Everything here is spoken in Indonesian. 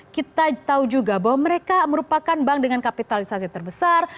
kita tahu juga bahwa mereka merupakan bank dengan kapitalisasi terbesar